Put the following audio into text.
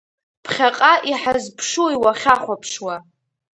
Ԥхьаҟа иҳазԥшуи уахьахәаԥшуа?